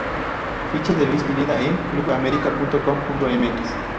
Ficha de Luis Pineda en clubamerica.com.mx